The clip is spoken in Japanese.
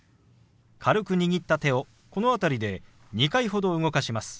軽く握った手をこの辺りで２回ほど動かします。